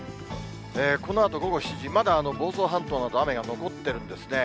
このあと午後７時、まだ房総半島など、雨が残ってるんですね。